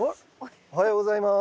おはようございます。